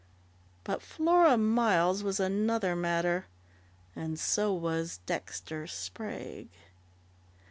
But Flora Miles was another matter and so was Dexter Sprague!